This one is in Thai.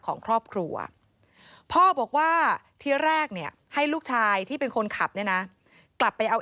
ของครอบครัวพ่อบอกว่าที่แรกเนี่ยให้ลูกชายที่เป็นคนขับเนี่ยนะกลับไปเอา